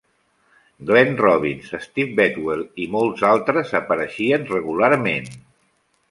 Glenn Robbins, Steve Bedwell i molts altres apareixien regularment.